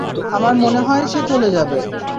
আমার মনে হয় সে চলে যাবে।